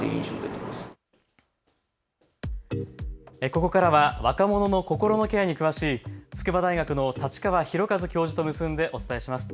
ここからは若者のこころのケアに詳しい筑波大学の太刀川弘和教授と結んでお伝えします。